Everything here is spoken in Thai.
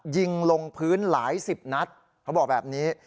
ยิงลงพื้นหลายสิบนัดเขาบอกแบบนี้